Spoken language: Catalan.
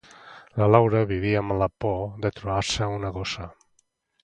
La Laura vivia amb la por de trobar-se una gossa.